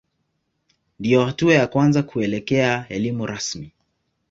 Ndiyo hatua ya kwanza kuelekea elimu rasmi.